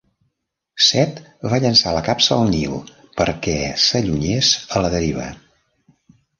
Set va llançar la capsa al Nil perquè s'allunyes a la deriva.